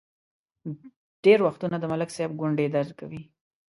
ډېر وختونه د ملک صاحب ګونډې درد کوي.